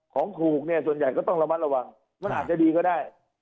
ของถูกเนี่ยส่วนใหญ่ก็ต้องระมัดระวังมันอาจจะดีก็ได้